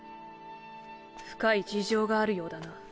深い事情があるようだな。